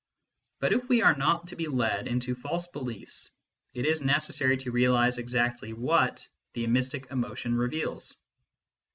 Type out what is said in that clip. But if we are not to be led into false beliefs, it is necessary to realise exactly what the mystic emotion reveals.